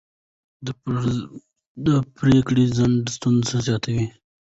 د پرېکړو ځنډ ستونزې زیاتوي